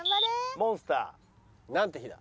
モンスター。なんて日だ。